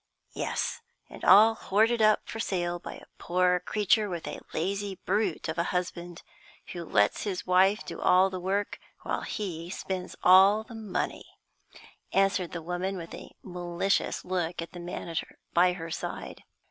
"Yes, and all hoarded up for sale by a poor creature with a lazy brute of a husband, who lets his wife do all the work while he spends all the money," answered the woman, with a malicious look at the man by her side.